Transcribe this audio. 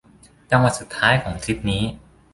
จังหวัดสุดท้ายของทริปนี้